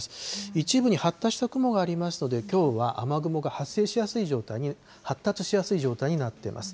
一部に発達した雲がありますので、きょうは雨雲が発生しやすい状態に、発達しやすい状態になっています。